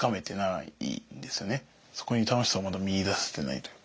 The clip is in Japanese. そこに楽しさをまだ見いだせてないというか。